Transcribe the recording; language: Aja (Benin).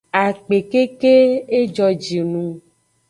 Akpe keke; ejojinung.